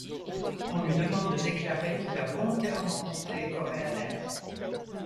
On lui demande de déclarer qu'il a volontairement quitté Korean Air.